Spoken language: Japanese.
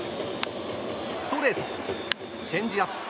ストレート、チェンジアップ。